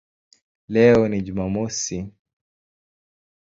Leo ni Jumamosi".